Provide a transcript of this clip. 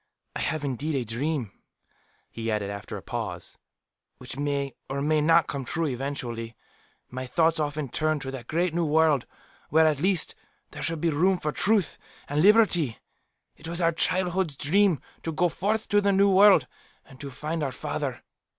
I have indeed a dream," he added, after a pause, "which may, or may not, come true eventually. My thoughts often turn to that great New World, where, at least, there should be room for truth and liberty. It was our childhood's dream, to go forth to the New World and to find our father.